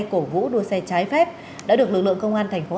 chúc cha đầy sống lâu